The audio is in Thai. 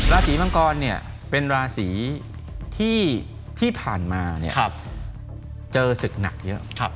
ลาศรีมังกรเนี่ยเป็นลาศรีที่ที่ผ่านมาเนี่ยเจอศึกหนักเยอะ